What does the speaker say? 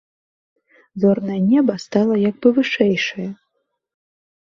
Зорнае неба стала як бы вышэйшае.